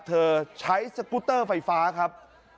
เธอใช้สกุตเตอร์ไฟฟ้าครับ